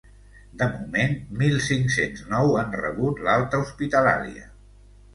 De moment, mil cinc-cents nou han rebut l’alta hospitalària.